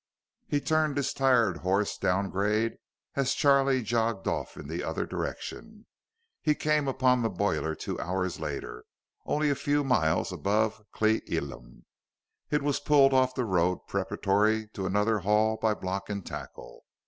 He turned his tired horse down grade as Charlie jogged off in the other direction. He came upon the boiler two hours later, only a few miles above Cle Elum. It was pulled off the road preparatory to another haul by block and tackle.